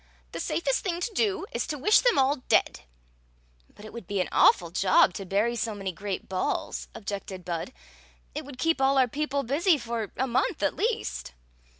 "The safest thing to do is to wish them all dead" "But it would be an awfiil job to bury so many great balls," objected Bud. " It would keep all our people busy for a month, at least."